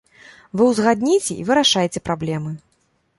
Вы ўзгадніце, і вырашайце праблемы.